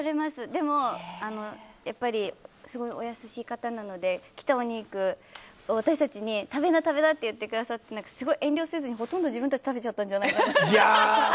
でも、やっぱりすごいお優しい方なので来たお肉、私たちに食べな、食べなって言ってくださって遠慮せずにほとんど自分たちで食べちゃったんじゃないかな。